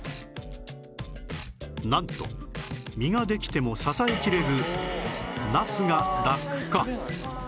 なんと実ができても支えきれずなすが落下